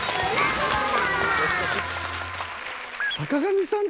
坂上さん